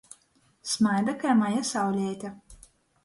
Smaida kai maja sauleite.